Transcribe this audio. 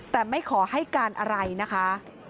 แต่ไม่ขอให้การอะไรนะคะ